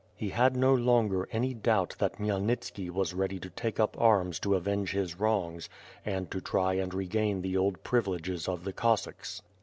He had no longer any doubt that Khymelnitski was ready to take up arms to avenge his wrongs, and to try and regain the old privileges of the Cos sacks.